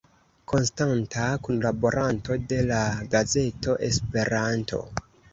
Konstanta kunlaboranto de la gazeto Esperanto.